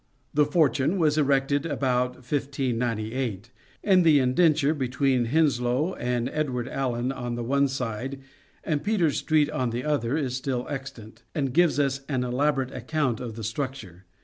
" The Fortune " was erected about 1598, and the indenture between Henslowe and Edward Alleyn on the one side and Peter Street on the other is still extant, and gives us an elaborate account of the structure.